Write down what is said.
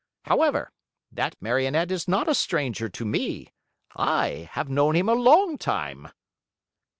However, that Marionette is not a stranger to me. I have known him a long time!"